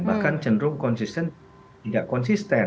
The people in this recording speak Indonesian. bahkan cenderung konsisten tidak konsisten